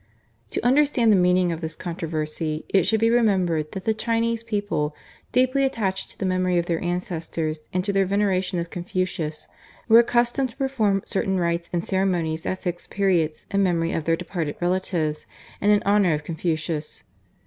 To understand the meaning of this controversy it should be remembered that the Chinese people, deeply attached to the memory of their ancestors and to their veneration for Confucius, were accustomed to perform certain rites and ceremonies at fixed periods in memory of their departed relatives and in honour of Confucius.